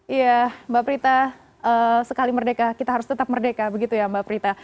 iya mbak prita sekali merdeka kita harus tetap merdeka begitu ya mbak prita